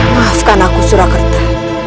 maafkan aku surakerta